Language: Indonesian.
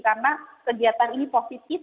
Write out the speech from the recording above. karena kegiatan ini positif